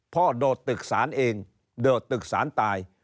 พ่อโดดตึกศาลเองโดดตึกศาลตาย